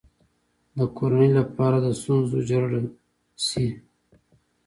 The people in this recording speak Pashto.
د کورنۍ لپاره د ستونزو جرړه شي.